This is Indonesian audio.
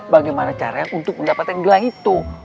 bagaimana caranya untuk mendapatkan gelang itu